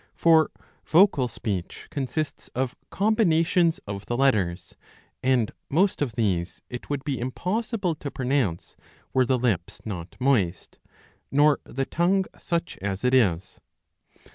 For vocal speech consists of combinations of the letters, and most of these it would be impossible to pronounce, were the lips not moist, nor the tongue such as it is.